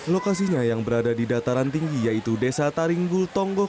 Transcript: lokasinya yang berada di dataran tinggi yaitu desa taringgul tonggok